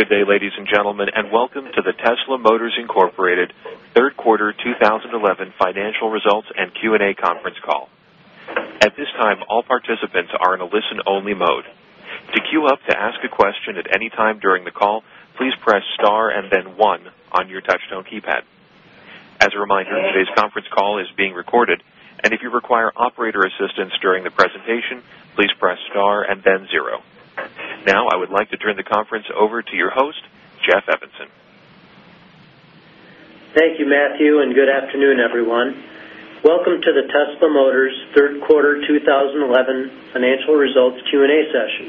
Good day, ladies and gentlemen, and welcome to the Tesla Motor, Inc. Third Quarter 2011 Financial Results and Q&A Conference Call. At this time, all participants are in a listen-only mode. To queue up to ask a question at any time during the call, please press star and then one on your touch-tone keypad. As a reminder, today's conference call is being recorded, and if you require operator assistance during the presentation, please press star and then zero. Now, I would like to turn the conference over to your host, Jeff Evanson. Thank you, Matthew, and good afternoon, everyone. Welcome to the Tesla Motors Third Quarter 2011 Financial Results Q&A session.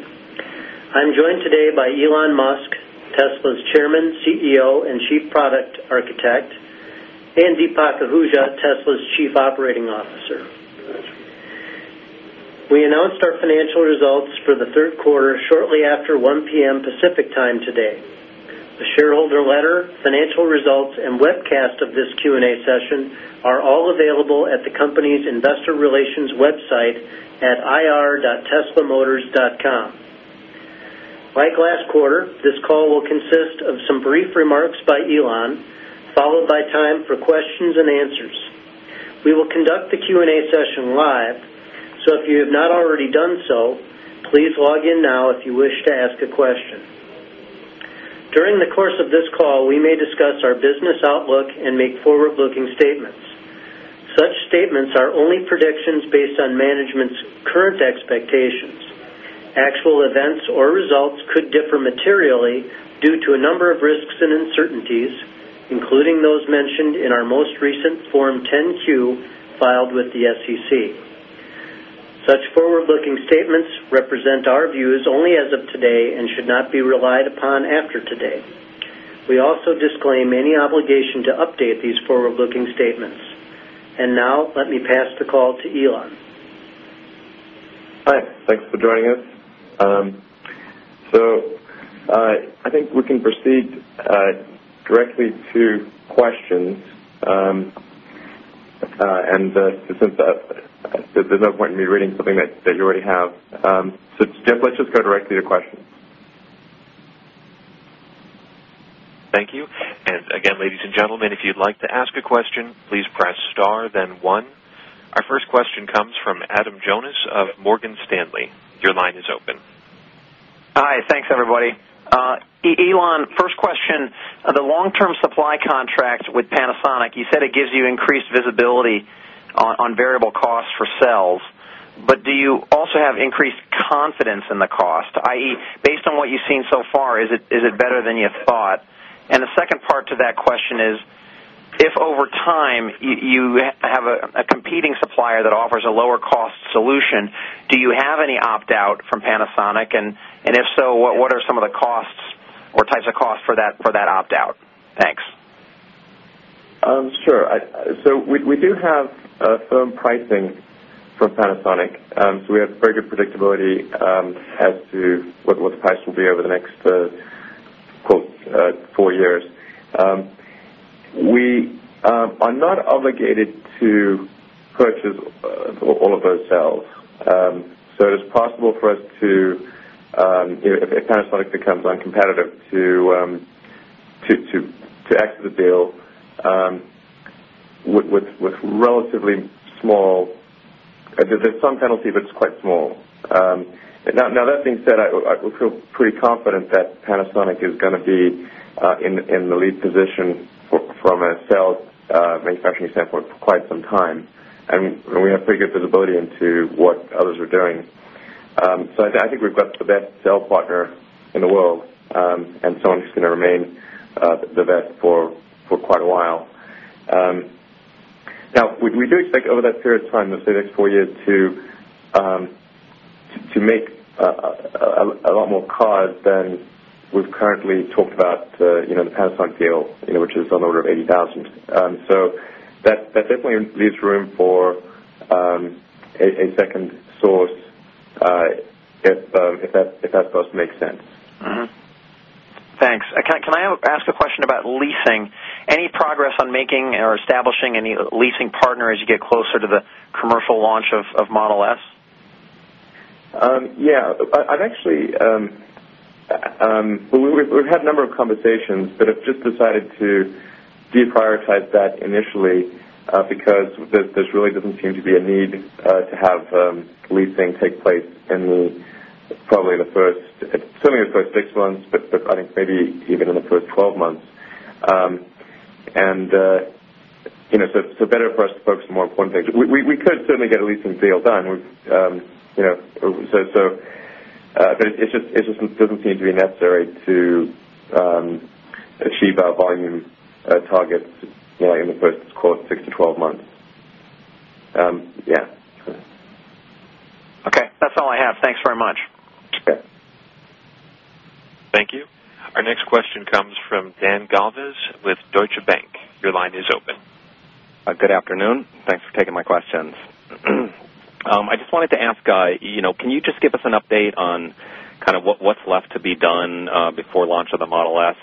I'm joined today by Elon Musk, Tesla's Chairman, CEO, and Chief Product Architect, and Deepak Ahuja, Tesla's Chief Operating Officer. We announced our financial results for the third quarter shortly after 1:00 P.M. Pacific Time today. The shareholder letter, financial results, and webcast of this Q&A session are all available at the company's investor relations website at ir.teslamotors.com. Like last quarter, this call will consist of some brief remarks by Elon, followed by time for questions and answers. We will conduct the Q&A session live, so if you have not already done so, please log in now if you wish to ask a question. During the course of this call, we may discuss our business outlook and make forward-looking statements. Such statements are only predictions based on management's current expectations. Actual events or results could differ materially due to a number of risks and uncertainties, including those mentioned in our most recent Form 10-Q filed with the SEC. Such forward-looking statements represent our views only as of today and should not be relied upon after today. We also disclaim any obligation to update these forward-looking statements. Let me pass the call to Elon. Hi, thanks for joining us. I think we can proceed directly to questions, since there's no point in me reading something that you already have. Jeff, let's just go directly to questions. Thank you. Again, ladies and gentlemen, if you'd like to ask a question, please press star, then one. Our first question comes from Adam Jonas of Morgan Stanley. Your line is open. Hi, thanks, everybody. Elon, first question. The long-term supply contract with Panasonic, you said it gives you increased visibility on variable costs for cells, but do you also have increased confidence in the cost, i.e., based on what you've seen so far, is it better than you thought? The second part to that question is, if over time you have a competing supplier that offers a lower-cost solution, do you have any opt-out from Panasonic? If so, what are some of the costs or types of costs for that opt-out? Thanks. Sure. We do have firm pricing from Panasonic, so we have very good predictability as to what the price will be over the next four years. We are not obligated to purchase all of those cells. It is possible for us, if Panasonic becomes uncompetitive, to exit the deal with relatively small, there's some penalty, but it's quite small. That being said, I feel pretty confident that Panasonic is going to be in the lead position from a cell manufacturing standpoint for quite some time, and we have pretty good visibility into what others are doing. I think we've got the best cell partner in the world, and it's going to remain the best for quite a while. We do expect over that period of time, let's say the next four years, to make a lot more cars than we've currently talked about in the Panasonic deal, which is on the order of 80,000. That definitely leaves room for a second source, if that's supposed to make sense. Thanks. Can I ask a question about leasing? Any progress on making or establishing any leasing partners as you get closer to the commercial launch of Model S? Yeah, I've actually had a number of conversations, but I've just decided to deprioritize that initially because there really doesn't seem to be a need to have leasing take place in the, probably in the first, certainly the first six months, but I think maybe even in the first 12 months. It's better for us to focus on more important things. We could certainly get a leasing deal done, but it just doesn't seem to be necessary to achieve our volume targets in the first, let's call it, six to 12 months. Okay, that's all I have. Thanks very much. Thank you. Our next question comes from Dan Galves with Deutsche Bank. Your line is open. Good afternoon. Thanks for taking my questions. I just wanted to ask, can you just give us an update on kind of what's left to be done before launch of the Model S?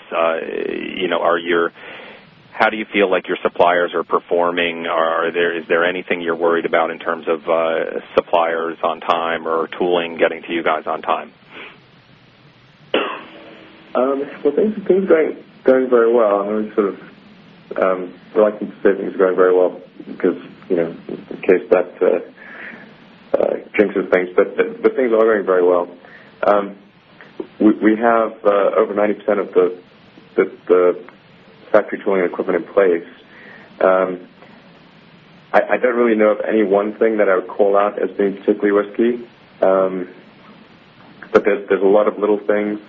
How do you feel like your suppliers are performing? Is there anything you're worried about in terms of suppliers on time or tooling getting to you guys on time? Things are going very well. I'm always sort of reluctant to say things are going very well because it's a case of that jinxing things, but things are going very well. We have over 90% of the factory tooling equipment in place. I don't really know of any one thing that I would call out as being particularly risky, but there are a lot of little things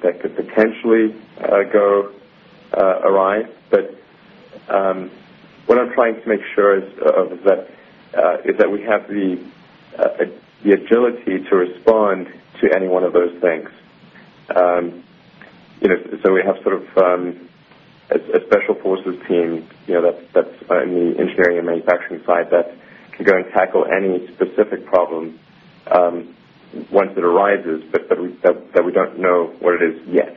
that could potentially arise. What I'm trying to make sure of is that we have the agility to respond to any one of those things. We have sort of a special forces team that's on the engineering and manufacturing side that can go and tackle any specific problem once it arises, but we don't know what it is yet,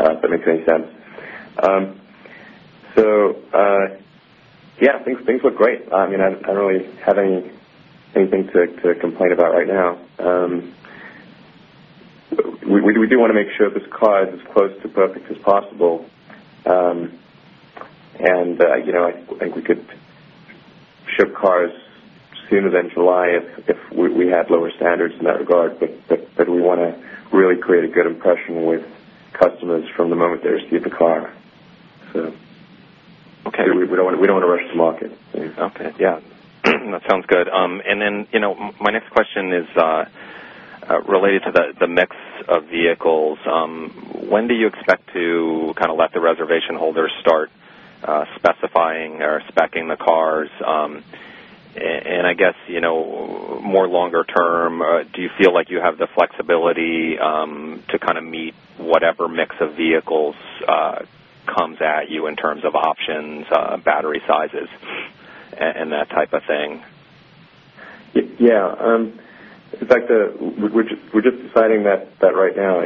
if that makes any sense. Things look great. I mean, I don't really have anything to complain about right now. We do want to make sure this car is as close to perfect as possible, and you know I think we could ship cars sooner than July if we had lower standards in that regard. We want to really create a good impression with customers from the moment they receive the car. We don't want to rush the market. Okay, yeah. That sounds good. My next question is related to the mix of vehicles. When do you expect to kind of let the reservation holders start specifying or speccing the cars? I guess, more longer term, do you feel like you have the flexibility to kind of meet whatever mix of vehicles comes at you in terms of options, battery sizes, and that type of thing? In fact, we're just deciding that right now,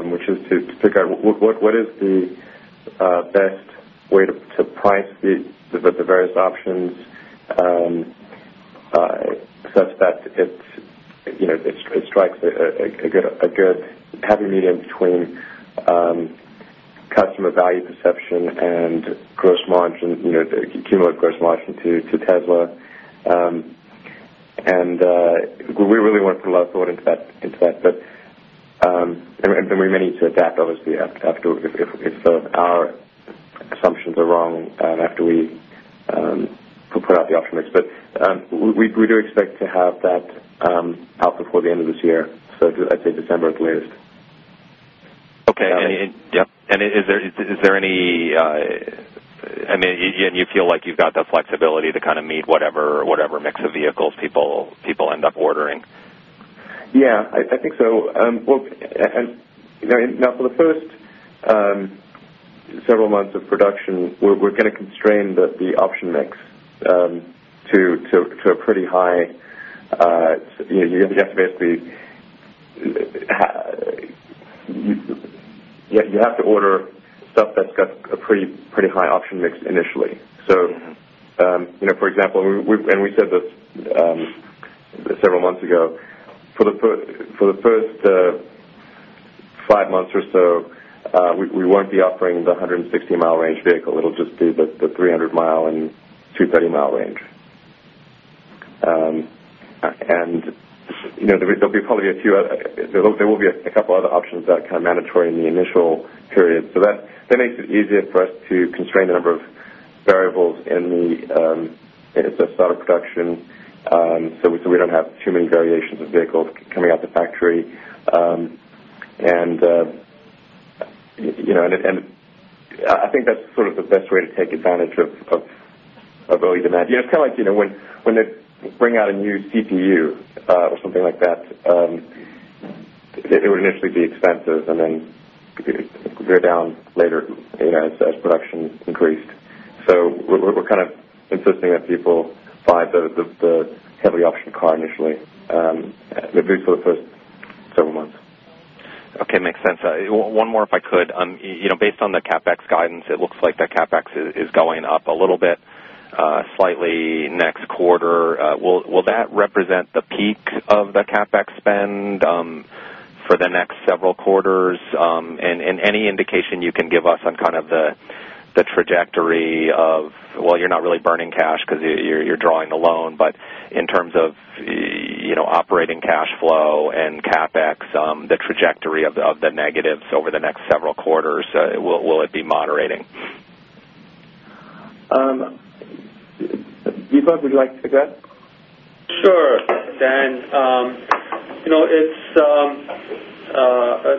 which is to figure out what is the best way to price the various options such that it strikes a good, happy medium between customer value perception and gross margin, you know, the cumulative gross margin to Tesla. We really want to put a lot of thought into that, then we may need to adapt, obviously, if our assumptions are wrong after we put out the option mix. We do expect to have that out before the end of this year, so I'd say December at the latest. Okay. Is there any, I mean, you feel like you've got the flexibility to kind of meet whatever mix of vehicles people end up ordering? I think so. In the first several months of production, we're going to constrain the option mix to a pretty high, you know, you have to basically, you have to order stuff that's got a pretty high option mix initially. For example, and we said this several months ago, for the first five months or so, we won't be offering the 160-mi range vehicle. It'll just be the 300-mi and 230-mi range. There'll be probably a few, there will be a couple of other options that are kind of mandatory in the initial period. That makes it easier for us to constrain the number of variables in the startup production, so we don't have too many variations of vehicles coming out of the factory. I think that's sort of the best way to take advantage of early demand. It's kind of like, you know, when they bring out a new CPU or something like that, it would initially be expensive, and then it would go down later as production increased. We're kind of insisting that people buy the heavily optioned car initially, at least for the first several months. Okay, makes sense. One more, if I could. You know, based on the CapEx guidance, it looks like the CapEx is going up a little bit, slightly, next quarter. Will that represent the peak of the CapEx spend for the next several quarters? Any indication you can give us on kind of the trajectory of, you're not really burning cash because you're drawing the loan, but in terms of operating cash flow and CapEx, the trajectory of the negatives over the next several quarters, will it be moderating? Deepak, would you like to take that? Sure, Dan. You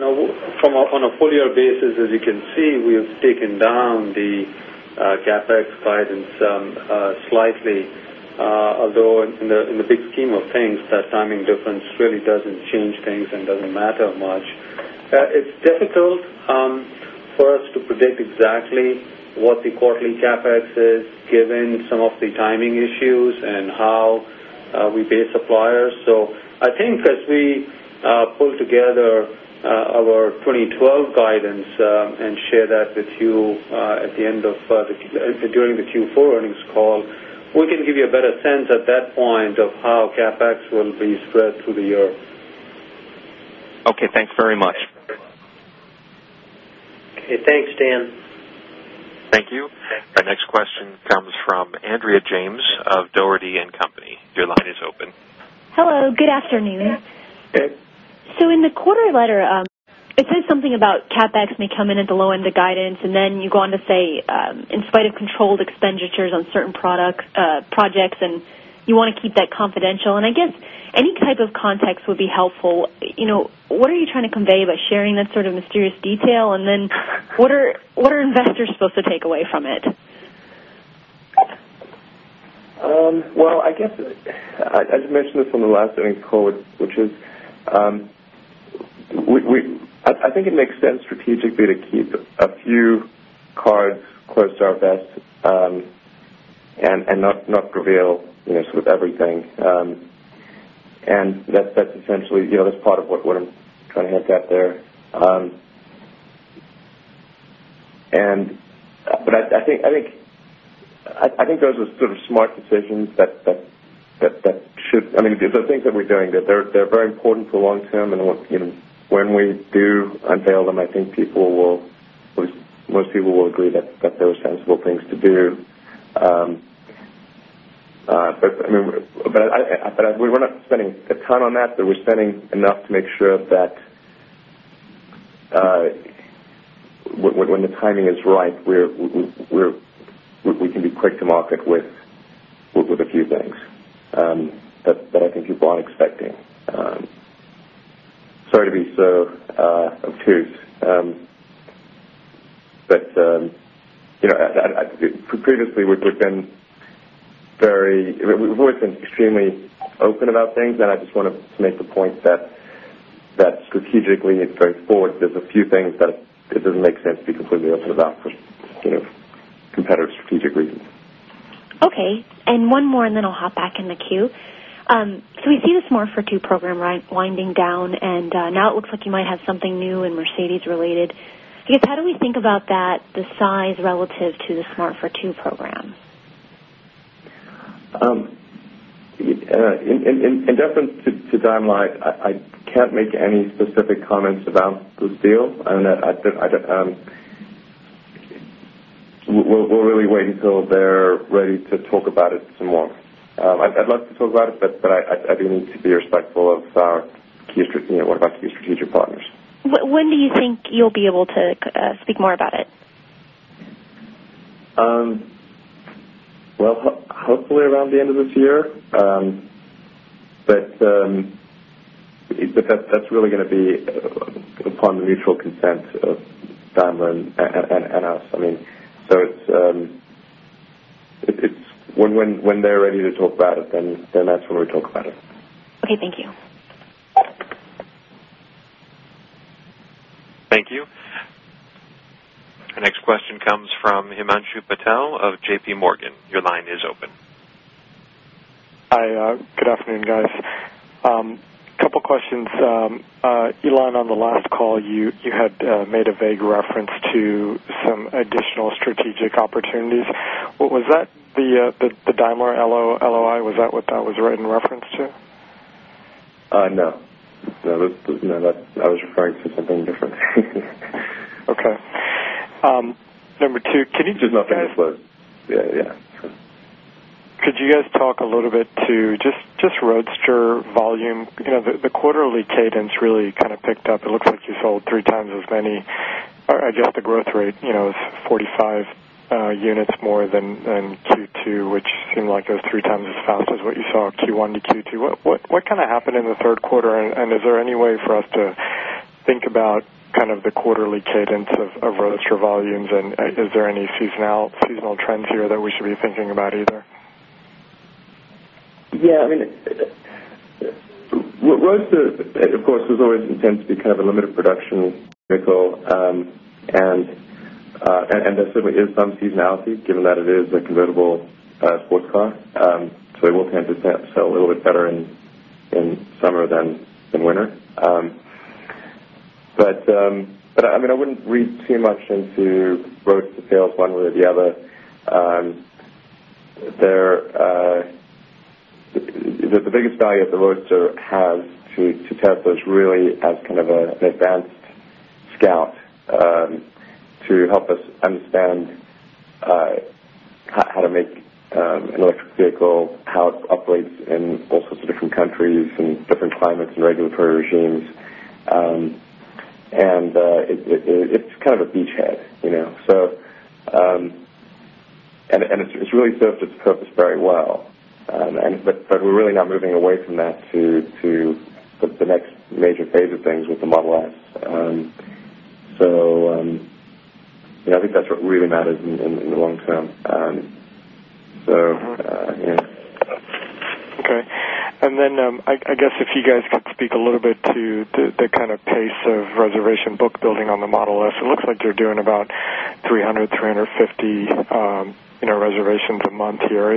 know, on a four-year basis, as you can see, we have taken down the CapEx guidance slightly. Although in the big scheme of things, that timing difference really doesn't change things and doesn't matter much. It's difficult for us to predict exactly what the quarterly CapEx is given some of the timing issues and how we pay suppliers. I think as we pull together our 2012 guidance and share that with you during the Q4 earnings call, we can give you a better sense at that point of how CapEx will be spread through the year. Okay, thanks very much. Thanks, Dan. Thank you. Our next question comes from Andrea James of Dougherty & Company. Your line is open. Hello. Good afternoon. Good. In the quarter letter, it says something about CapEx may come in at the low end of the guidance, and then you go on to say, "In spite of controlled expenditures on certain projects," and you want to keep that confidential. I guess any type of context would be helpful. You know, what are you trying to convey by sharing that sort of mysterious detail? What are investors supposed to take away from it? I just mentioned this on the last earnings call, which is I think it makes sense strategically to keep a few cars close to our vest and not reveal everything. That's essentially, you know, that's part of what I kind of hinted at there. I think those are smart decisions that should, I mean, the things that we're doing, they're very important for long term. When we do unveil them, I think people will, at least most people will agree that those are sensible things to do. I mean, we're not spending the time on that, but we're spending enough to make sure that when the timing is right, we can be quick to market with a few things that I think people aren't expecting. Sorry to be so obtuse, but you know, previously, we've been very, we've always been extremely open about things. I just wanted to make the point that strategically going forward, there's a few things that it doesn't make sense to be completely open about for competitive strategic reasons. Okay. One more, then I'll hop back in the queue. We see the Smart Fortwo program winding down, and now it looks like you might have something new and Mercedes related. I guess, how do we think about that, the size relative to the Smart Fortwo program? In deference to timeline, I can't make any specific comments about the deal. We're really waiting till they're ready to talk about it some more. I'd love to talk about it, but I do need to be respectful of our key strategic partners. When do you think you'll be able to speak more about it? Hopefully around the end of this year, but that's really going to be upon the mutual consent of Daimler and us. I mean, it's when they're ready to talk about it, then that's when we talk about it. Okay, thank you. Thank you. Our next question comes from Himanshu Patel of JP Morgan. Your line is open. Hi, good afternoon, guys. A couple of questions. Elon, on the last call, you had made a vague reference to some additional strategic opportunities. Was that the Daimler LOI? Was that what that was in reference to? No, that was, you know, I was referring to something different. Okay. Number two, can you? Just not for this load. Yeah, yeah. Could you guys talk a little bit to just Roadster volume? The quarterly cadence really kind of picked up. It looks like you sold 3x as many. I guess the growth rate is 45 units more than Q2, which seemed like it was 3x as fast as what you saw Q1 to Q2. What kind of happened in the third quarter? Is there any way for us to think about the quarterly cadence of Roadster volumes? Is there any seasonal trends here that we should be thinking about either? Yeah, I mean, Roadster, of course, is always intended to be kind of a limited production vehicle. There certainly is some seasonality given that it is a convertible sports car. It will tend to sell a little bit better in summer than in winter. I wouldn't read too much into Roadster sales one way or the other. The biggest value that the Roadster has to Tesla is really as kind of an advanced scout to help us understand how to make an electric vehicle, how it operates in all sorts of different countries and different climates and regulatory regimes. It's kind of a beach head, you know. It's really served its purpose very well. We're really now moving away from that to the next major phase of things with the Model S. I think that's what really matters in the long term. Okay. If you could speak a little bit to the kind of pace of reservation bookbuilding on the Model S, it looks like you're doing about 300, 350 reservations a month here.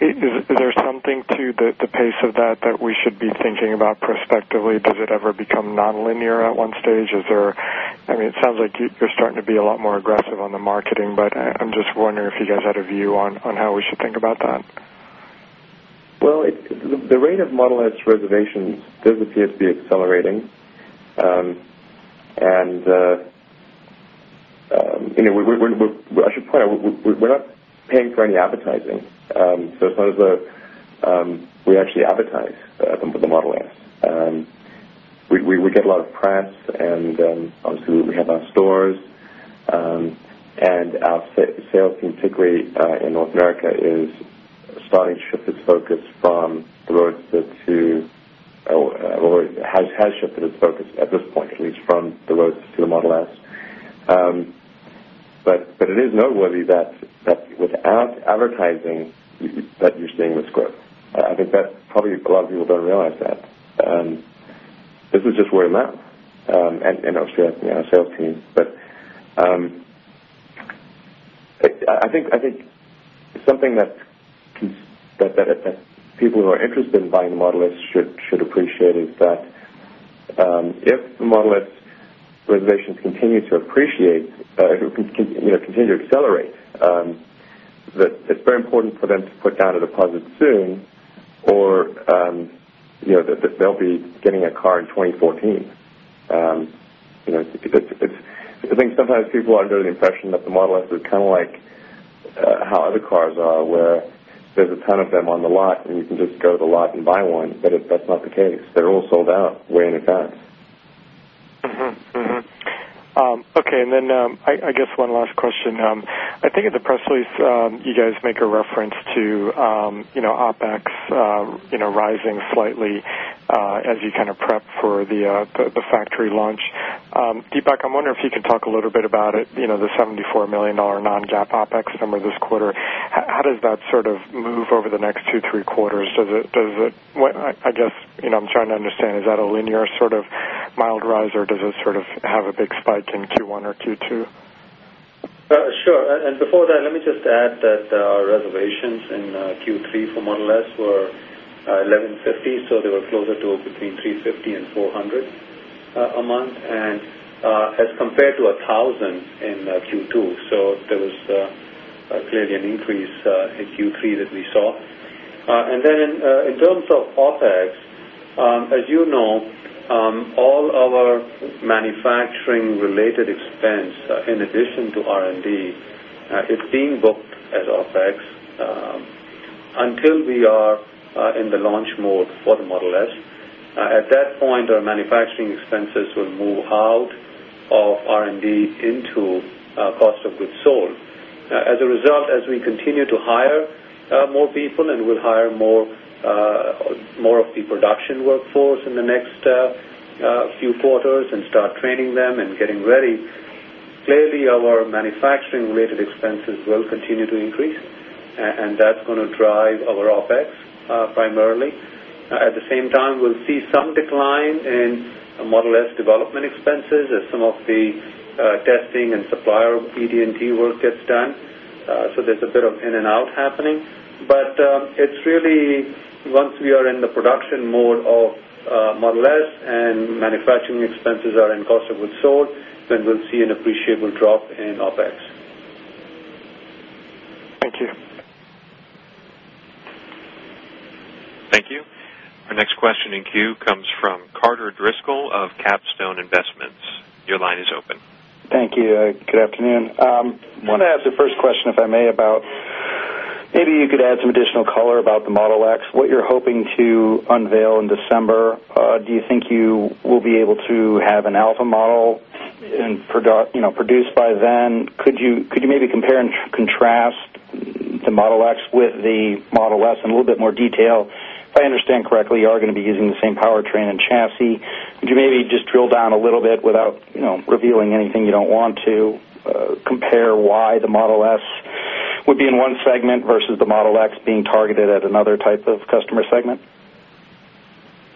Is there something to the pace of that that we should be thinking about prospectively? Does it ever become nonlinear at one stage? I mean, it sounds like you're starting to be a lot more aggressive on the marketing, but I'm just wondering if you had a view on how we should think about that. The rate of Model S reservations does appear to be accelerating. I should point out, we're not paying for any advertising. As long as we actually advertise the Model S, we get a lot of press, and obviously, we have our stores. Our sales team, particularly in North America, is starting to shift its focus from the Roadster to, well, it has shifted its focus at this point, at least from the Roadster to the Model S. It is noteworthy that without advertising, you're seeing this growth. I think that probably a lot of people don't realize that. This is just word of mouth in our sales team. I think something that people who are interested in buying Model S should appreciate is that if the Model S reservations continue to appreciate, continue to accelerate, it's very important for them to put down a deposit soon or they'll be getting a car in 2014. I think sometimes people are under the impression that the Model S is kind of like how other cars are, where there's a ton of them on the lot, and you can just go to the lot and buy one, but that's not the case. They're all sold out way in advance. Okay. I guess one last question. I think at the press release, you guys make a reference to OpEx rising slightly as you kind of prep for the factory launch. Deepak, I'm wondering if you can talk a little bit about it. You know, the $74 million non-GAAP OpEx number this quarter, how does that sort of move over the next two, three quarters? Does it, I guess, you know, I'm trying to understand, is that a linear sort of mild rise, or does it sort of have a big spike in Q1 or Q2? Sure. Before that, let me just add that our reservations in Q3 for Model S were 1,150, so they were closer to between 350 and 400 a month, as compared to 1,000 in Q2. There was clearly an increase in Q3 that we saw. In terms of OpEx, as you know, all our manufacturing-related expense, in addition to R&D, is being booked as OpEx until we are in the launch mode for the Model S. At that point, our manufacturing expenses will move out of R&D into cost of goods sold. As a result, as we continue to hire more people and we will hire more of the production workforce in the next few quarters and start training them and getting ready, clearly, our manufacturing-related expenses will continue to increase, and that is going to drive our OpEx primarily. At the same time, we will see some decline in Model S development expenses as some of the testing and supplier ED&T work gets done. There is a bit of in and out happening. It is really once we are in the production mode of Model S and manufacturing expenses are in cost of goods sold, then we will see an appreciable drop in OpEx. Thank you. Thank you. Our next question in queue comes from Carter Driscoll of Capstone Investments. Your line is open. Thank you. Good afternoon. I want to ask the first question, if I may, about maybe you could add some additional color about the Model X, what you're hoping to unveil in December. Do you think you will be able to have an alpha model and produce by then? Could you maybe compare and contrast the Model X with the Model S in a little bit more detail? If I understand correctly, you are going to be using the same powertrain and chassis. Could you maybe just drill down a little bit without revealing anything you don't want to, compare why the Model S would be in one segment versus the Model X being targeted at another type of customer segment?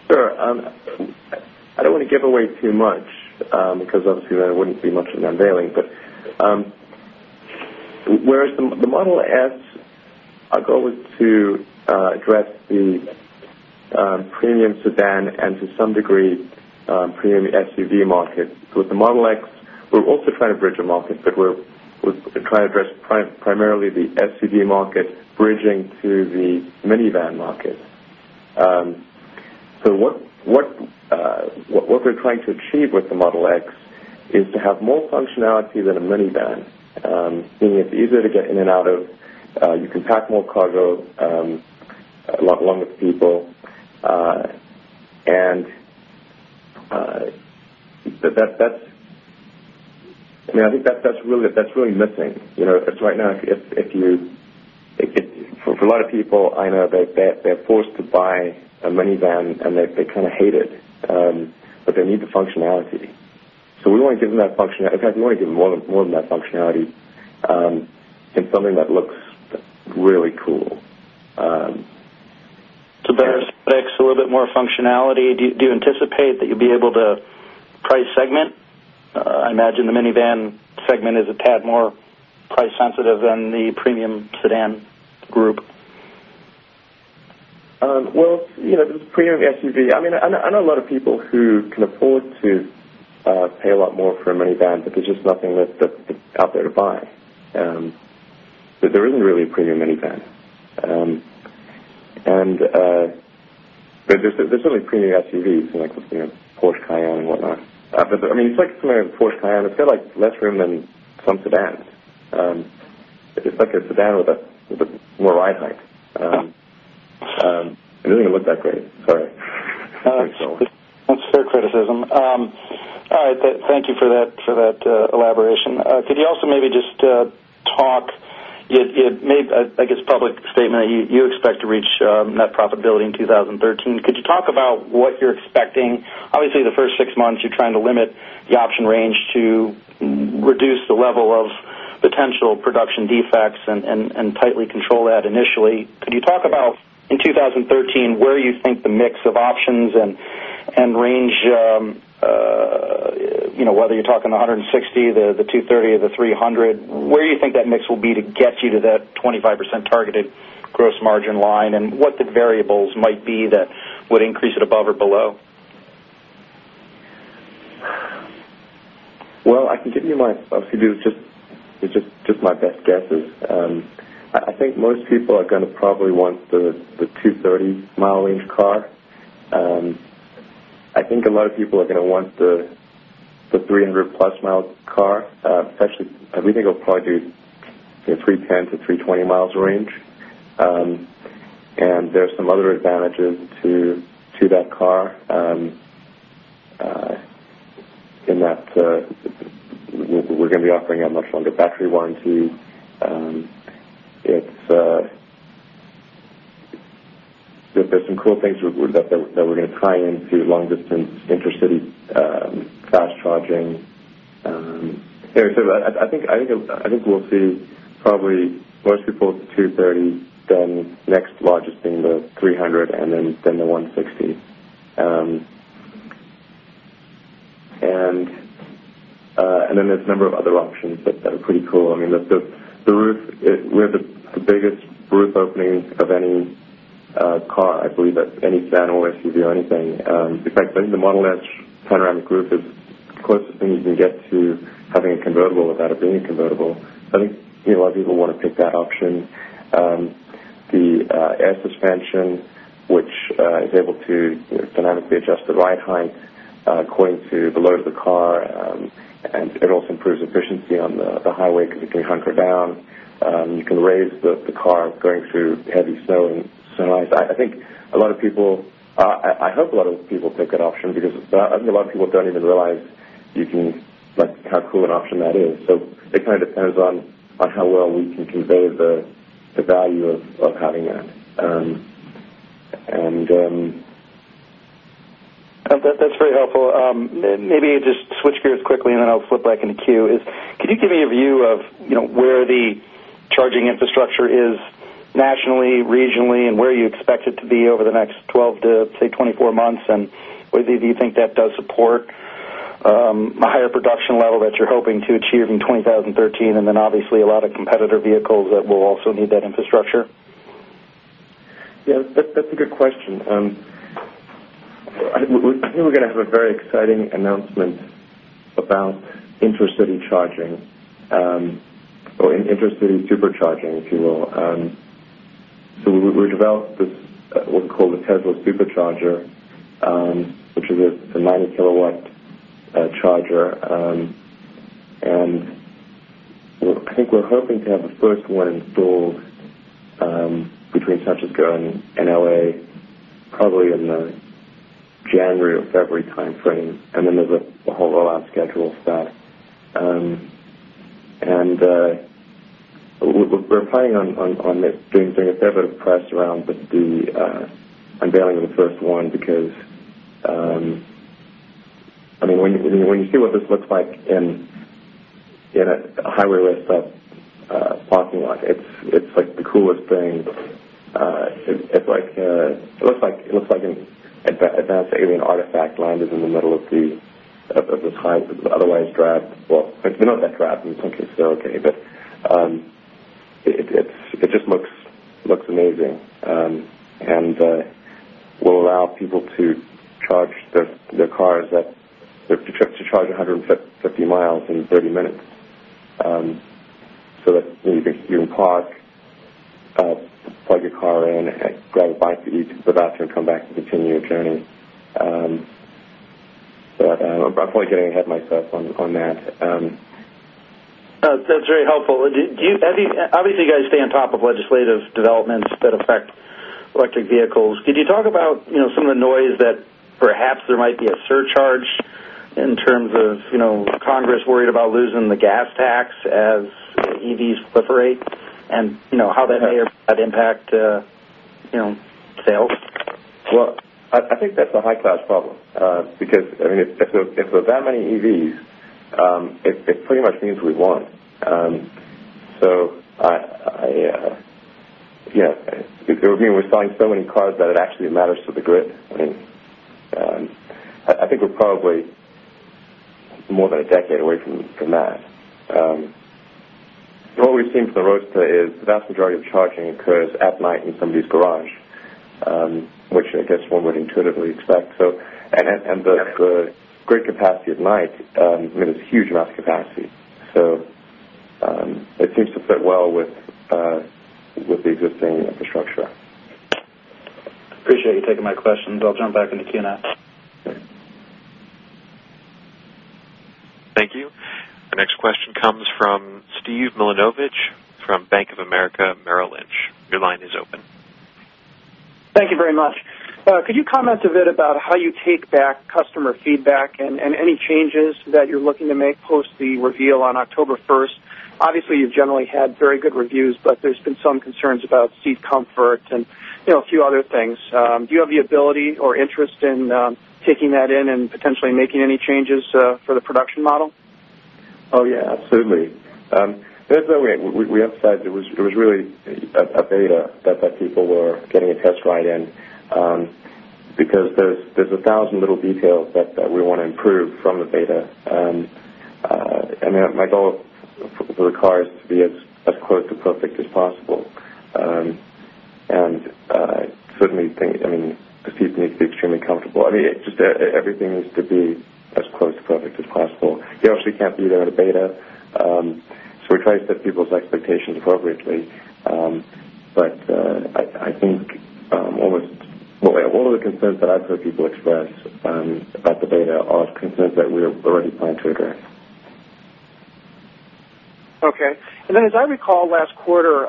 Sure. I don't want to give away too much because obviously, there wouldn't be much in the unveiling. Whereas the Model S, our goal is to address the premium sedan and to some degree premium SUV market. With the Model X, we're also trying to bridge a market, but we're trying to address primarily the SUV market, bridging to the minivan market. What we're trying to achieve with the Model X is to have more functionality than a minivan, meaning it's easier to get in and out of. You can pack more cargo along with the people. I think that's really missing. Right now, for a lot of people, I know they're forced to buy a minivan, and they kind of hate it, but they need the functionality. We want to give them that functionality. In fact, we want to give them more than that functionality in something that looks really cool. Better aesthetics, a little bit more functionality. Do you anticipate that you'll be able to price segment? I imagine the minivan segment is a tad more price-sensitive than the premium sedan group. The premium SUV, I mean, I know a lot of people who can afford to pay a lot more for a minivan, but there's just nothing out there to buy. There really, really is a premium minivan. There's certainly premium SUVs, like the Porsche Cayenne and whatnot. I mean, it's like some of the Porsche Cayenne, it's got less room than some sedans. It's like a sedan with more ride height. It doesn't even look that great. Sorry. That's fair criticism. All right. Thank you for that elaboration. Could you also maybe just talk? You had made, I guess, a public statement that you expect to reach net profitability in 2013. Could you talk about what you're expecting? Obviously, the first six months, you're trying to limit the option range to reduce the level of potential production defects and tightly control that initially. Could you talk about in 2013 where you think the mix of options and range, you know, whether you're talking the 160 mi, the 230 mi, or the 300 mi, where do you think that mix will be to get you to that 25% targeted gross margin line and what the variables might be that would increase it above or below? I can give you my, obviously, just my best guesses. I think most people are going to probably want the 230-mi range car. I think a lot of people are going to want the 300+ mi car. Actually, we think it'll probably be the 310 mi-320 mi range. There's some other advantages to that car in that we're going to be offering a much longer battery warranty. There's some cool things that we're going to tie into long-distance intercity fast charging. I think we'll see probably most people with the 230 mi, then next largest being the 300 mi and then the 160 mi. There's a number of other options that are pretty cool. I mean, the roof, we have the biggest roof opening of any car, I believe, any sedan or SUV or anything. In fact, I think the Model S panoramic roof is the closest thing you can get to having a convertible without it being a convertible. I think a lot of people want to pick that option. The air suspension, which is able to dynamically adjust the ride height according to the load of the car, and it also improves efficiency on the highway because it can hunker down. You can raise the car going through heavy snow and sunrise. I think a lot of people, I hope a lot of people pick that option because I think a lot of people don't even realize you can, like how cool an option that is. It kind of depends on how well we can convey the value of having that. That's very helpful. Maybe just switch gears quickly, and then I'll flip back into queue. Could you give me a view of where the charging infrastructure is nationally, regionally, and where you expect it to be over the next 12 to, say, 24 months? Whether you think that does support a higher production level that you're hoping to achieve in 2013, and then obviously a lot of competitor vehicles will also need that infrastructure? Yeah, that's a good question. I think we're going to have a very exciting announcement about intercity charging or intercity supercharging, if you will. We've developed what we call the Tesla Supercharger, which is a 90-kW charger. I think we're hoping to have the first one installed between San Diego and L.A., probably in the January or February timeframe. There's a whole rollout schedule for that. We're planning on doing a fair bit of press around the unveiling of the first one because, I mean, when you see what this looks like on a highway with a parking lot, it's like the coolest thing. It looks like an advanced alien artifact landed in the middle of this otherwise drab, well, it's not that drab. I mean, it's not too slow, okay? It just looks amazing. We'll allow people to charge their cars, to charge 150 mi in 30 minutes, so that you can park, plug your car in, grab a bite to eat, go to the bathroom, and come back to continue your journey. I'm probably getting ahead of myself on that. That's very helpful. Do you, obviously, you guys stay on top of legislative developments that affect electric vehicles. Could you talk about some of the noise that perhaps there might be a surcharge in terms of Congress worried about losing the gas tax as EVs proliferate, and how that may or may not impact sales? I think that's a high-class problem because, if there are that many EVs, it pretty much means we won. We're selling so many cars that it actually matters to the grid. I think we're probably more than a decade away from that. What we've seen from the Roadster is the vast majority of charging occurs at night in somebody's garage, which I guess one would intuitively expect. The grid capacity at night, it's a huge amount of capacity. It seems to fit well with the existing infrastructure. Appreciate you taking my questions. I'll jump back into Q&A. Thank you. Our next question comes from Steve Milunovich from Bank of America Merrill Lynch. Your line is open. Thank you very much. Could you comment a bit about how you take back customer feedback and any changes that you're looking to make post the reveal on October 1st? Obviously, you've generally had very good reviews, but there's been some concerns about seat comfort and a few other things. Do you have the ability or interest in taking that in and potentially making any changes for the production model? Oh, yeah, absolutely. There is no way, we emphasized it. It was really a beta that people were getting a test ride in because there are 1,000 little details that we want to improve from the beta. My goal for the car is to be as close to perfect as possible. Certainly, I mean, the seats need to be extremely comfortable. I mean, just everything needs to be as close to perfect as possible. You obviously cannot be there at a beta. We try to set people's expectations appropriately. I think all of the concerns that I have heard people express about the beta are concerns that we are already planning to address. Okay. As I recall, last quarter,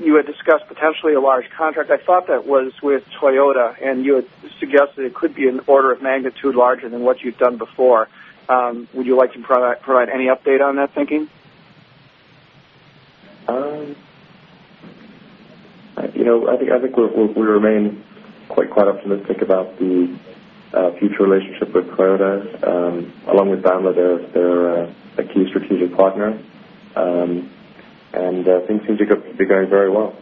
you had discussed potentially a large contract. I thought that was with Toyota, and you had suggested it could be an order of magnitude larger than what you'd done before. Would you like to provide any update on that thinking? I think we remain quite quiet up to think about the future relationship with Toyota. Along with Daimler, they're a key strategic partner, and things seem to be going very well.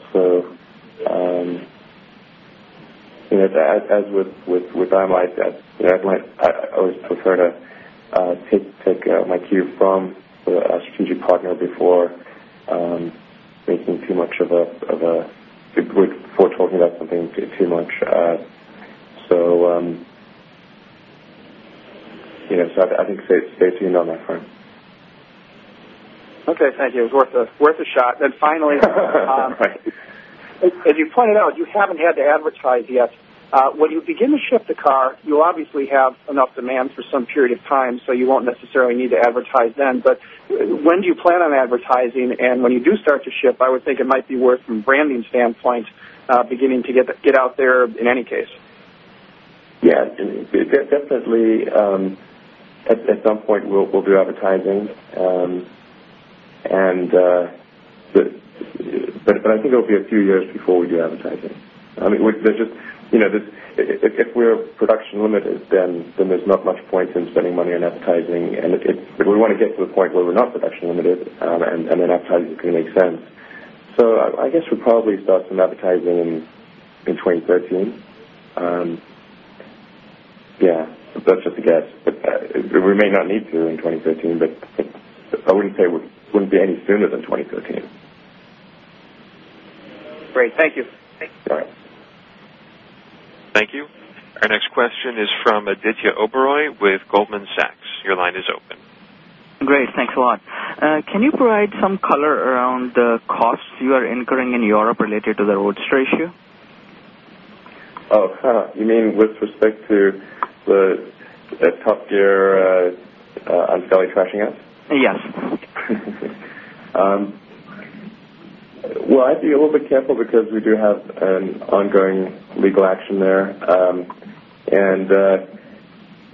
As with Daimler, I always prefer to take my cue from a strategic partner before making too much of a, too quick for talking about something too much. I think stay tuned on that front. Okay. Thank you. Worth a shot. Finally, as you pointed out, you haven't had to advertise yet. When you begin to ship the car, you'll obviously have enough demand for some period of time, so you won't necessarily need to advertise then. When do you plan on advertising? When you do start to ship, I would think it might be worth, from a branding standpoint, beginning to get out there in any case? Yeah, definitely. At some point, we'll do advertising. I think it'll be a few years before we do advertising. I mean, if we're production limited, then there's not much point in spending money on advertising. If we want to get to the point where we're not production limited, then advertising can make sense. I guess we'll probably start some advertising in 2013. That's just a guess. We may not need to in 2013, but I wouldn't say it wouldn't be any sooner than 2013. Great. Thank you. All right. Thank you. Our next question is from Aditya Oberoi with Goldman Sachs. Your line is open. Great. Thanks a lot. Can you provide some color around the costs you are incurring in Europe related to the Roadster issue? Oh, you mean with respect to the Top Gear unselling, crashing out? Yes. I have to be a little bit careful because we do have an ongoing legal action there.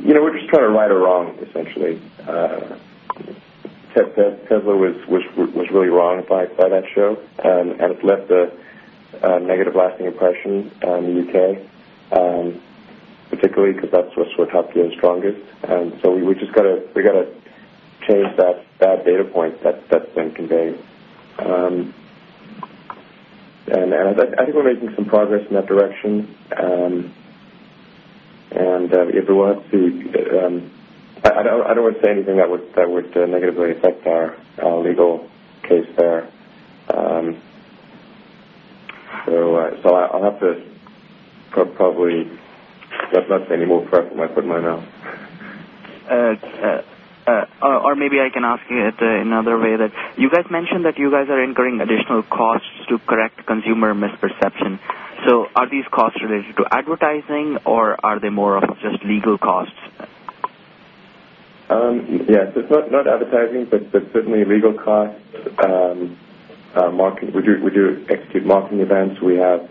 You know, we're just trying to right a wrong, essentially. Tesla was really wronged by that show, and it left a negative lasting impression in the U.K., particularly because that's where Top Gear is strongest. We just have to change that data point that's been conveyed. I think we're making some progress in that direction. If it works, I don't want to say anything that would negatively affect our legal case there. I'll have to probably not say any more before I put my foot in my mouth. Maybe I can ask it in another way. You guys mentioned that you are incurring additional costs to correct consumer misperception. Are these costs related to advertising, or are they more just legal costs? Yeah, it's not advertising, but certainly legal costs. We do execute marketing events. We have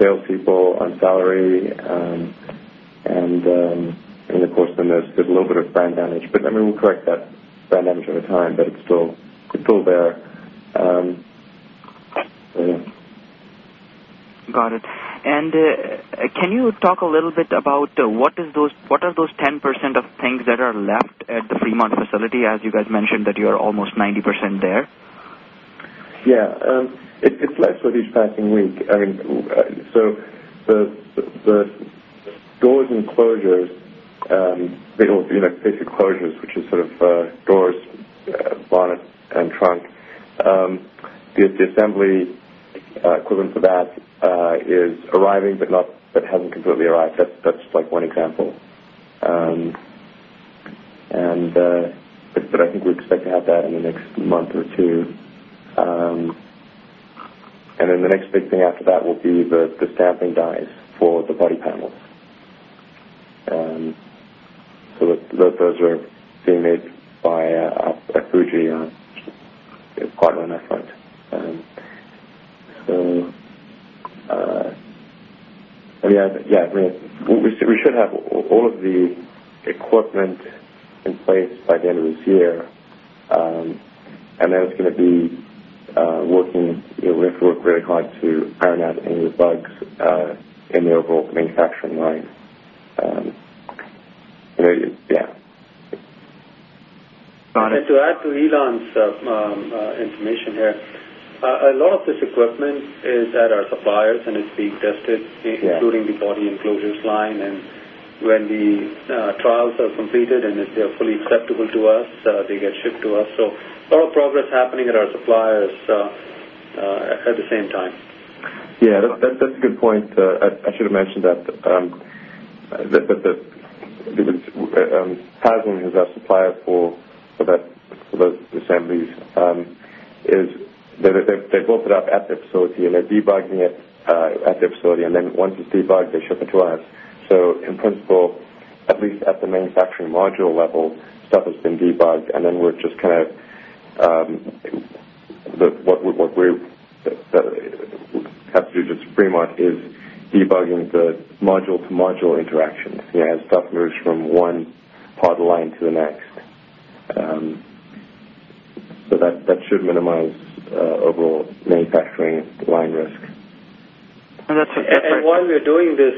salespeople on salary. Of course, then there's a little bit of brand damage. I mean, we correct that brand damage over time, but it's still there. Got it. Can you talk a little bit about what are those 10% of things that are left at the Fremont facility, as you guys mentioned that you are almost 90% there? Yeah. It's left for each passing week. I mean, the doors and closures, basically closures, which is sort of doors, bonnet, and trunk. The assembly equivalent for that is arriving, but hasn't completely arrived. That's one example. I think we expect to have that in the next month or two. The next big thing after that will be the stamping dies for the body panels. Those are being made by a Fuji partner on that front. I mean, we should have all of the equipment in place by the end of this year. It's going to be working. We have to work really hard to iron out any of the bugs in the overall manufacturing line. Yeah. Got it. To add to Elon's information here, a lot of this equipment is at our suppliers and is being tested, including the body enclosures line. When the trials are completed and they're fully acceptable to us, they get shipped to us. A lot of progress is happening at our suppliers at the same time. That's a good point. I should have mentioned that thyssen is our supplier for the assemblies. They've opened up at the facility, and they're debugging it at the facility. Once it's debugged, they ship it to us. In principle, at least at the manufacturing module level, stuff has been debugged. We're just kind of what we've had to do since Fremont is debugging the module-to-module interactions, you know, as stuff moves from one part of the line to the next. That should minimize overall main factory line risk. That is why we are doing this.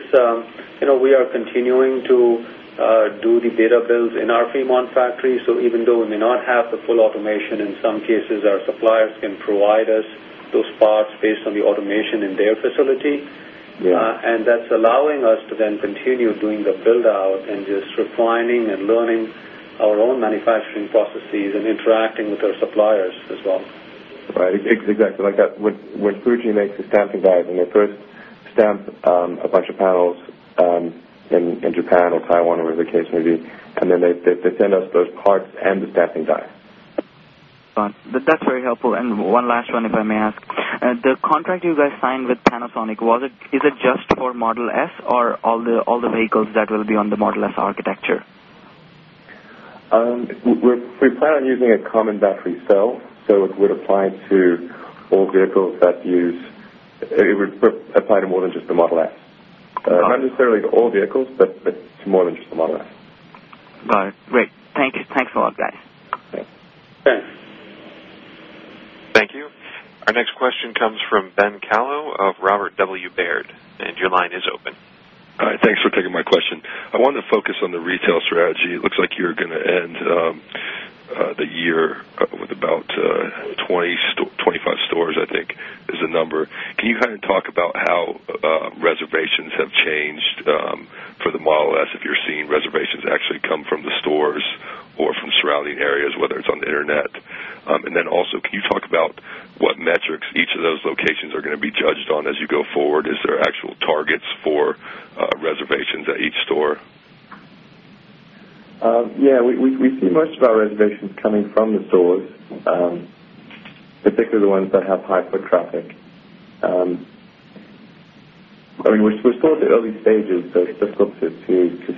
We are continuing to do the beta builds in our Fremont factory. Even though we may not have the full automation, in some cases, our suppliers can provide us those parts based on the automation in their facility. That's allowing us to continue doing the build-out and just refining and learning our own manufacturing processes and interacting with our suppliers as well. Right. Exactly like that, when Fuji makes a stamping die, they first stamp a bunch of panels in Japan or Taiwan, or whatever the case may be, and then they send us those parts and the stamping die. That's very helpful. One last one, if I may ask. The contract you guys signed with Panasonic, is it just for Model S or all the vehicles that will be on the Model S architecture? We plan on using a common battery cell. It would apply to all vehicles that use it. It would apply to more than just the Model S, not necessarily to all vehicles, but to more than just the Model S. Got it. Great. Thanks a lot, guys. Thanks. Thank you. Our next question comes from Ben Kallo of Robert W. Baird, and your line is open. All right. Thanks for taking my question. I wanted to focus on the retail strategy. It looks like you're going to end the year with about 20, 25 stores, I think, is the number. Can you kind of talk about how reservations have changed for the Model S, if you're seeing reservations actually come from the stores or from surrounding areas, whether it's on the internet? Also, can you talk about what metrics each of those locations are going to be judged on as you go forward? Is there actual targets for reservations at each store? Yeah. We see most of our reservations coming from the stores, particularly the ones that have high foot traffic. We're still at the early stages, so it's difficult to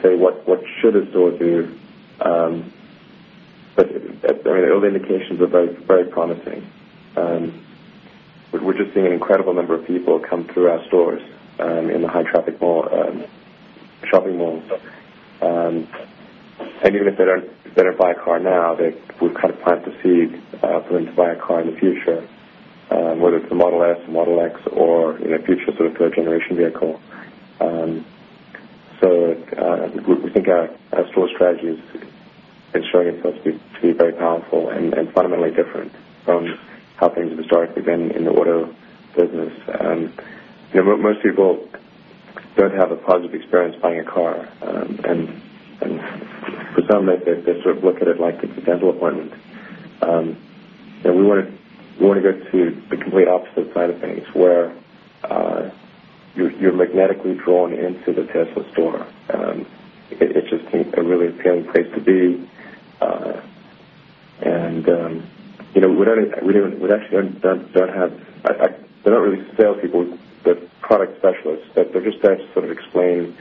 say what should a store do. The early indications are very promising. We're just seeing an incredible number of people come through our stores in the high-traffic mall and shopping malls. Even if they don't buy a car now, we've kind of planted the seed for them to buy a car in the future, whether it's a Model S, a Model X, or a future sort of third-generation vehicle. I think our store strategy is showing itself to be very powerful and fundamentally different from how things have historically been in the auto business. Most people don't have a positive experience buying a car. For them, they sort of look at it like it's a dental appointment. We want to go to the complete opposite side of things, where you're magnetically drawn into the Tesla store. It's just a really appealing place to be. We don't actually have, they're not really salespeople. They're product specialists. They're just there to sort of explain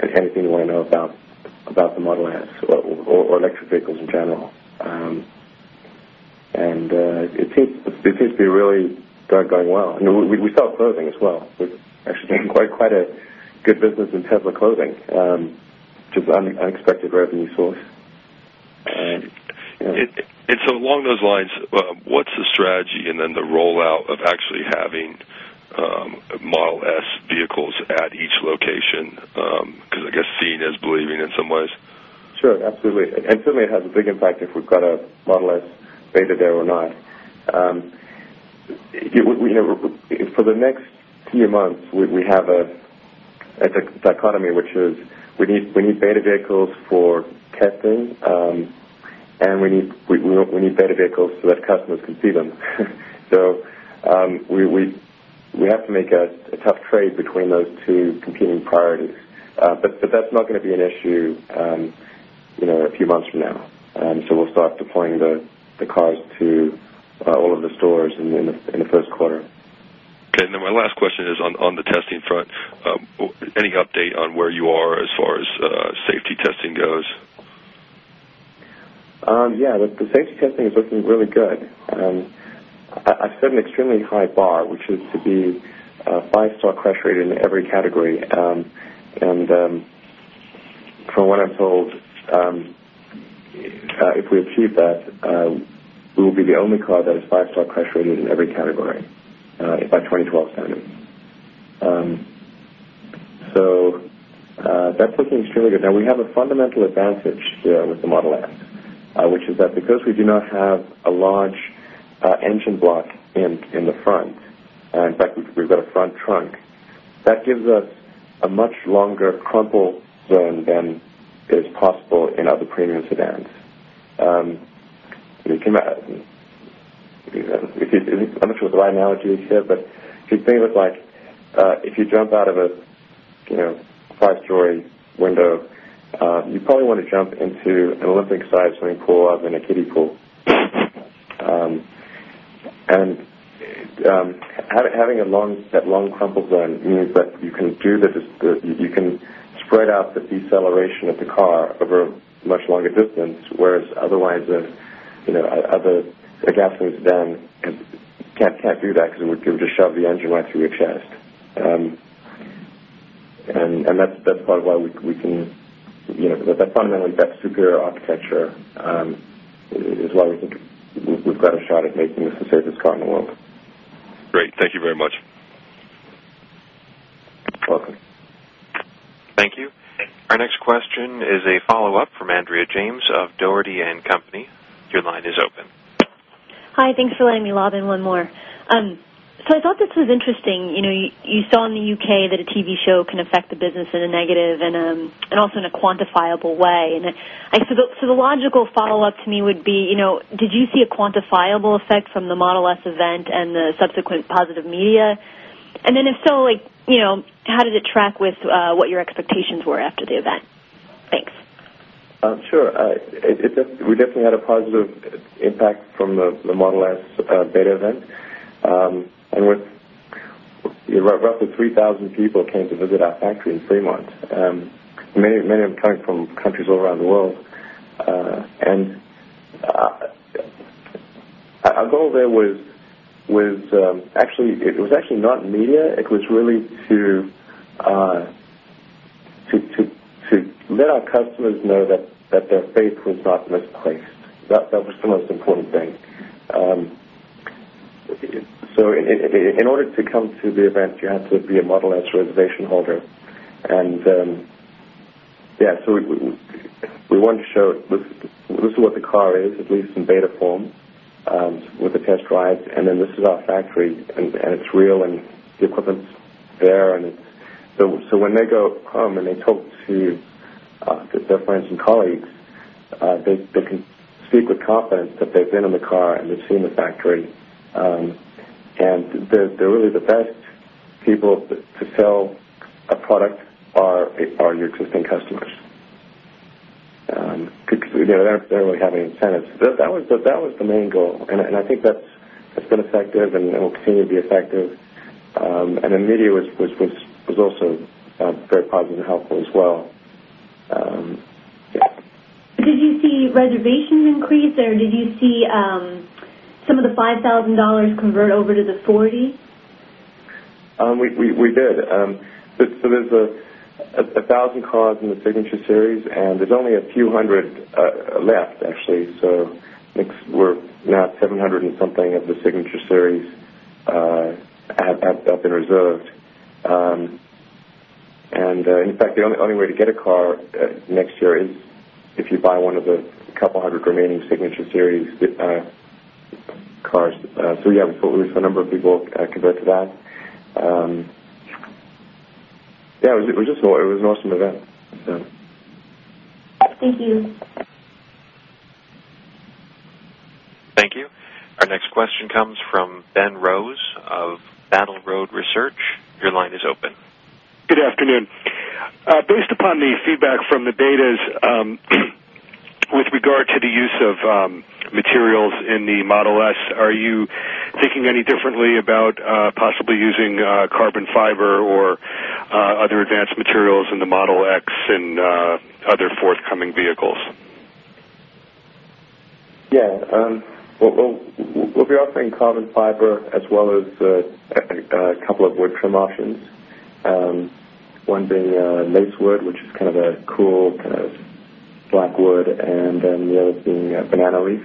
if anything you want to know about the Model S or electric vehicles in general. It seems to be really going well. We sell clothing as well. We're actually doing quite a good business in Tesla clothing, which is an unexpected revenue source. Along those lines, what's the strategy and the rollout of actually having Model S vehicles at each location? Is it, I guess, seen as believing in some ways? Sure. Absolutely. It has a big impact if we've got a Model S beta there or not. For the next few months, we have a dichotomy, which is we need beta vehicles for testing, and we need beta vehicles so that customers can see them. We have to make a tough trade between those two competing priorities. That's not going to be an issue a few months from now. We'll start deploying the cars to all of the stores in the first quarter. Okay, my last question is on the testing front. Any update on where you are as far as safety testing goes? Yeah, the safety testing is looking really good. I've set an extremely high bar, which is to be a five-star safety rating in every category. From what I'm told, if we achieve that, we will be the only car that is five-star safety rated in every category by 2012 standards. That's looking extremely good. We have a fundamental advantage here with the Model S, which is that because we do not have a large engine block in the front, in fact, we've got a front trunk, that gives us a much longer crumple zone than is possible in other premium sedans. I'm not sure what the right analogy is here, but it seems like if you jump out of a five-story window, you probably want to jump into an Olympic-sized swimming pool rather than a kiddie pool. Having a long crumple zone means that you can spread out the deceleration of the car over a much longer distance, whereas otherwise, other gasoline sedans can't do that because it would just shove the engine right through your chest. That's part of why we can, you know, that fundamentally, that superior architecture is why we think we've got a shot at making this the favorite car in the world. Great, thank you very much. Welcome. Thank you. Our next question is a follow-up from Andrea James of Dougherty & Company. Your line is open. Hi, thanks for letting me log in one more. I thought this was interesting. You saw in the U.K. that a TV show can affect the business in a negative and also in a quantifiable way. The logical follow-up to me would be, did you see a quantifiable effect from the Model S event and the subsequent positive media? If so, how did it track with what your expectations were after the event? Thanks. Sure. We definitely had a positive impact from the Model S beta event. Roughly 3,000 people came to visit our factory in Fremont, many of them coming from countries all around the world. Our goal there was actually not media. It was really to let our customers know that their faith was not misplaced. That was the most important thing. In order to come to the event, you have to be a Model S reservation holder. We want to show, this is what the car is, at least in beta form, with the test drives. This is our factory, and it's real, and the equipment's there. When they go home and they talk to their friends and colleagues, they can speak with confidence that they've been in the car and they've seen the factory. The best people to sell a product are your existing customers because they don't really have any incentives. That was the main goal. I think that's been effective and will continue to be effective. The media was also very positive and helpful as well. Did you see reservations increase, or did you see some of the $5,000 convert over to the $40,000? We did. There are 1,000 cars in the Signature series, and there's only a few hundred left, actually. We're now at 700 and something of the Signature series up in reserve. In fact, the only way to get a car next year is if you buy one of the couple hundred remaining Signature series cars. We saw a number of people convert to that. It was just an awesome event. Thank you. Thank you. Our next question comes from Ben Rose of Battle Road Research. Your line is open. Good afternoon. Based upon the feedback from the betas with regard to the use of materials in the Model S, are you thinking any differently about possibly using carbon fiber or other advanced materials in the Model X and other forthcoming vehicles? We will be offering carbon fiber as well as a couple of wood trim options, one being lacewood, which is kind of a cool kind of black wood, and the other being a banana leaf.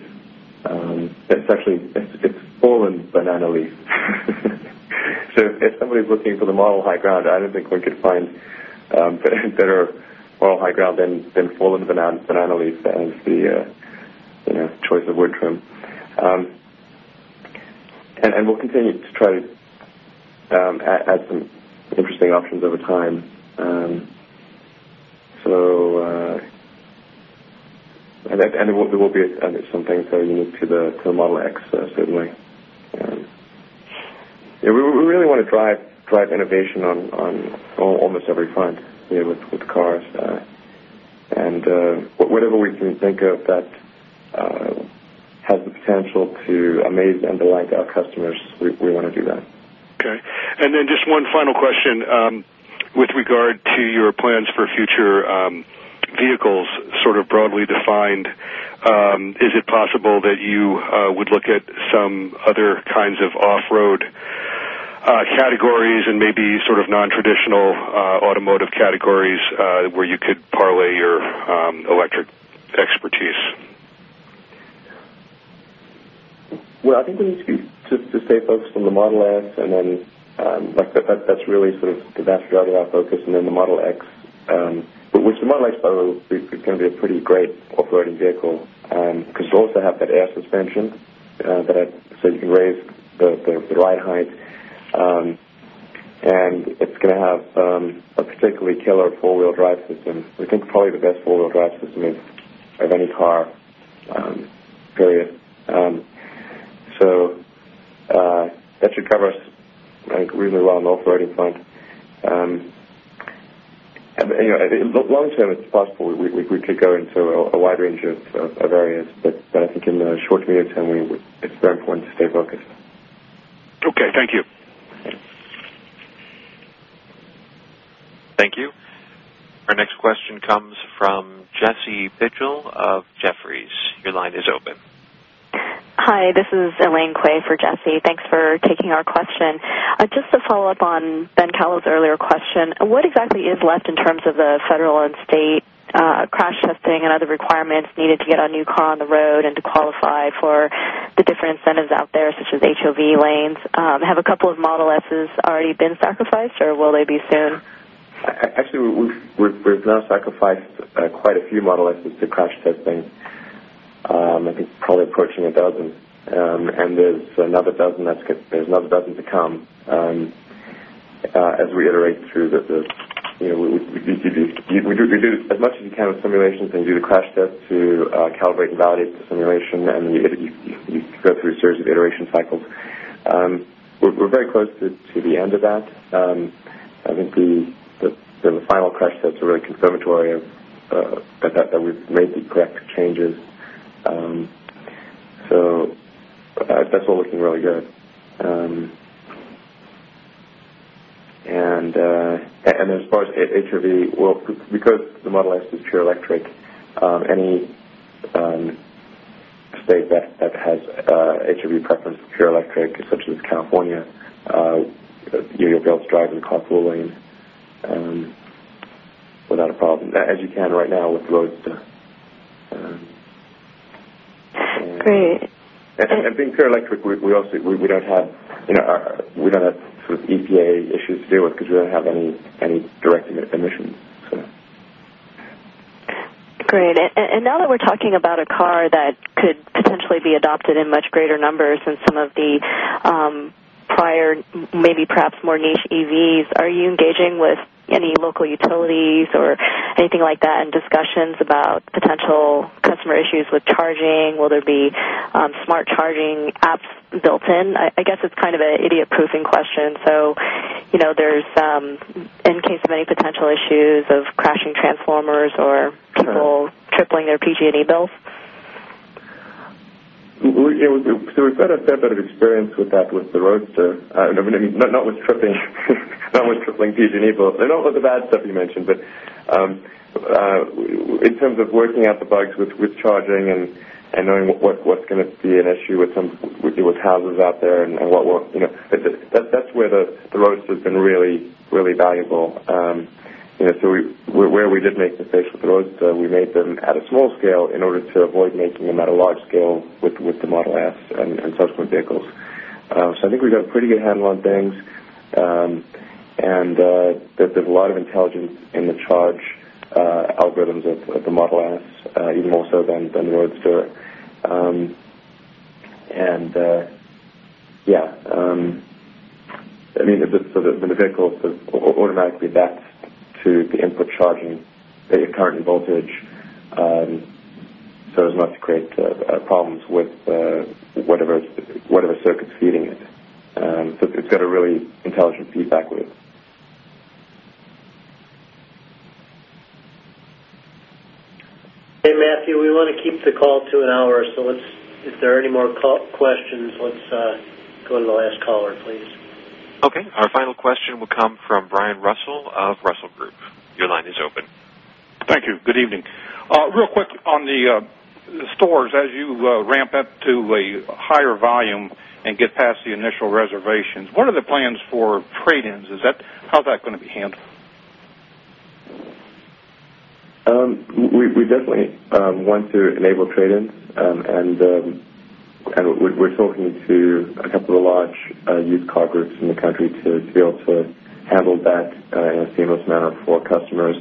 It's actually fallen banana leaf. If somebody's looking for the moral high ground, I don't think we could find better moral high ground than fallen banana leaf as the choice of wood trim. We will continue to try to add some interesting options over time. There will be something very unique to the Model X, certainly. We really want to drive innovation on almost every front with cars. Whatever we can think of that has the potential to amaze and delight our customers, we want to do that. Okay. Just one final question with regard to your plans for future vehicles, sort of broadly defined. Is it possible that you would look at some other kinds of off-road categories and maybe sort of non-traditional automotive categories where you could parlay your electric expertise? I think we need to stay focused on the Model S, and that's really sort of the battery driving our focus, and then the Model X, which the Model X is going to be a pretty great off-roading vehicle because you also have that air suspension so you can raise the ride height. It's going to have a particularly tailored four-wheel drive system. We think probably the best four-wheel drive system of any car, period. That should cover us, I think, really well on the off-roading front. You know, long term, it's possible we could go into a wide range of areas, but I think in a short period of time, it's very important to stay focused. Okay, thank you. Thank you. Our next question comes from Jesse Pichel of Jefferies. Your line is open. Hi. This is Elaine Kwei for Jesse. Thanks for taking our question. Just to follow up on Ben Kallo's earlier question, what exactly is left in terms of the federal and state crash testing and other requirements needed to get a new car on the road and to qualify for the different incentives out there, such as HOV lanes? Have a couple of Model S already been sacrificed, or will they be soon? Actually, we've now sacrificed quite a few Model S to crash test lanes. I think it's probably approaching a dozen, and there's another dozen to come. As we iterate through, you know, we do as much as you can with simulations, and you do the crash test to calibrate and validate the simulation, and you go through a series of iteration cycles. We're very close to the end of that. I think the final crash tests are really confirmatory that we've made the correct changes. That's all we can really do. As far as HOV, because the Model S is pure electric, any state that has HOV preference for pure electric, such as California, you'll be able to drive the car fully without a problem, as you can right now with the roads. Great. Being pure electric, we also don't have, you know, we don't have sort of EPA issues to deal with because we don't have any direct emissions. Great. Now that we're talking about a car that could potentially be adopted in much greater numbers than some of the prior, maybe perhaps more niche EVs, are you engaging with any local utilities or anything like that in discussions about potential customer issues with charging? Will there be smart charging apps built in? I guess it's kind of an idiot-proofing question. In case of any potential issues of crashing transformers or tripling their PG&E bills. We've had a fair bit of experience with that with the Roadster, not with tripling the PG&E bill, not with the bad stuff you mentioned, but in terms of working out the bugs with charging and knowing what's going to be an issue with some houses out there and what will. That's where the Roadster has been really, really valuable. Where we did make the case with the Roadster, we made them at a small scale in order to avoid making them at a large scale with the Model S and subsequent vehicles. I think we've got a pretty good handle on things. There's a lot of intelligence in the charge algorithms of the Model S, even more so than the Roadster. The vehicle is automatically backed to the input charging voltage, so it must create problems with whatever circuit's feeding it. It's got a really intelligent feedback loop. Hey, Matthew, we want to keep the call to an hour. If there are any more questions, let's go to the last caller, please. Okay. Our final question will come from Brian Russell of Russell Group. Your line is open. Thank you. Good evening. Real quick, on the Tesla stores, as you ramp up to a higher volume and get past the initial reservations, what are the plans for trade-ins? How is that going to be handled? We definitely want to enable trade-ins, and we're talking to a couple of large used car groups in the country to be able to handle that in a seamless manner for customers.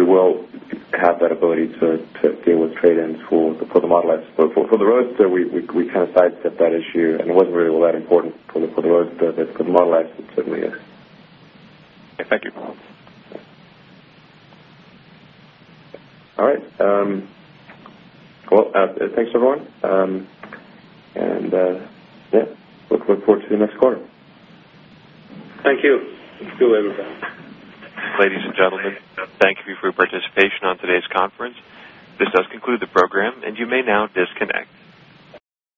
We will have that ability to deal with trade-ins for the Model S. For the Roadster, we kind of fight that issue, and it wasn't really all that important for the Roadster. For the Model S, it certainly is. Okay, thank you. All right. Thanks, everyone. I look forward to the next quarter. Thank you. Thank you, everybody. Ladies and gentlemen, thank you for your participation on today's conference. This does conclude the program, and you may now disconnect.